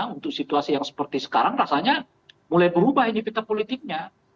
untuk situasi yang seperti sekarang rasanya mulai berubah ini peta politiknya